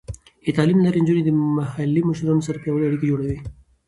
د تعلیم له لارې، نجونې د محلي مشرانو سره پیاوړې اړیکې جوړوي.